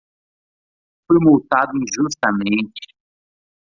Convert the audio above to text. Fui multado injustamente